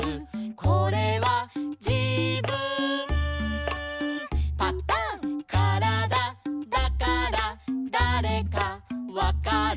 「これはじぶんパタン」「からだだからだれかわかる」